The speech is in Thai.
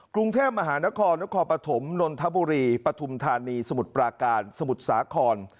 กรุงเทพมหานครนครปฐมนนทบุรีปฐุมธานีสมุทรปราการสมุทรสาคร